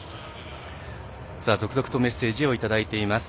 続々とメッセージをいただいております。